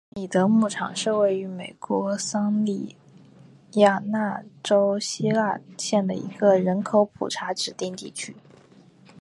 米德牧场是位于美国亚利桑那州希拉县的一个人口普查指定地区。